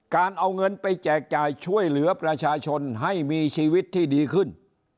การเอาเงินไปแจกจ่ายช่วยเหลือประชาชนให้มีชีวิตที่ดีขึ้น